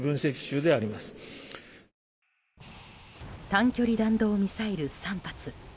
短距離弾道ミサイル３発。